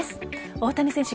大谷選手